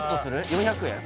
４００円？